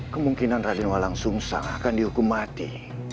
kemungkinan raden woyang sungsang akan dihukum mati